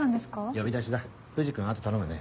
呼び出しだ藤君後頼むね。